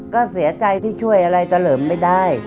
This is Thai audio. ก็เสียใจที่ช่วยอะไรเฉลิมไม่ได้